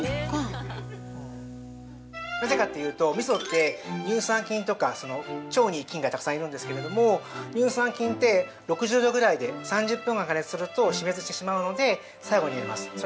◆なぜかというと、みそは、乳酸菌とか腸にたくさんいるんですけれども乳酸菌って、６０度ぐらいで３０分加熱すると、死滅してしまうので、最後に入れます。